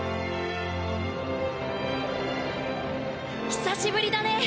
ひさしぶりだね。